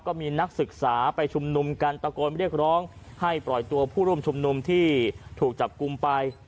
ก็มีนักศึกษาไปชุมนุมกันตะโกนเรียกร้องให้ปล่อยตัวผู้ร่วมชุมนุมที่ถูกจับกลุ่มไป